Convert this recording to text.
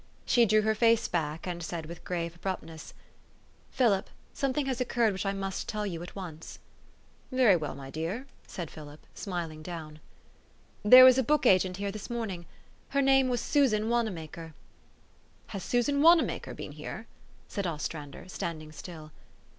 She drew her face back, and said with grave abruptness, 4 'Philip, something has occurred which I must tell } T OU at once." "Very well, my dear," said Philip, smiling down. 302 $HE STORY OF AVIS. "There was a book agent here this morning. Her name was Susan Wanamaker." " Has Susan Wanamaker been here?" said Os trander, standing still.